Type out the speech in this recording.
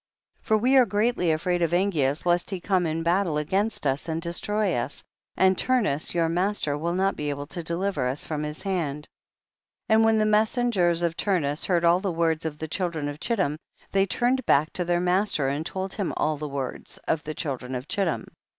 13. For we are greatly afraid of Angeas lest he come in battle against us and destroy us, and Turnus your master will not be able to deliver us from his hand. 14. And when the messengers of Turnus heard all the words of the children of Chittim, they turned back to their master and told him all the words of the children of Chittim.